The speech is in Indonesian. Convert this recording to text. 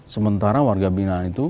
sementara warga bina itu